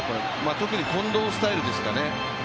特に近藤スタイルですかね。